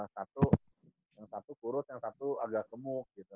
satu yang satu kurut yang satu agak gemuk gitu